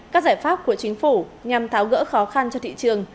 các giải pháp của chính phủ nhằm tháo gỡ khó khăn cho thị trường